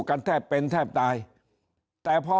ถ้าท่านผู้ชมติดตามข่าวสาร